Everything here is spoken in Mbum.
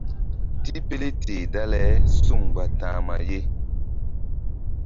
Tipele teh dale suŋ mgba ta̧hma ye.